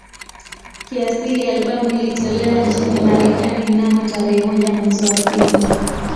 Kiasili albamu ilitolewa nchini Marekani mnamo tarehe moja mwezi wa pili